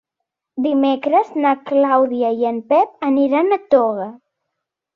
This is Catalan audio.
Dimecres na Clàudia i en Pep aniran a Toga.